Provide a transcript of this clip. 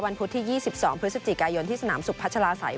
พุธที่๒๒พฤศจิกายนที่สนามสุพัชลาศัย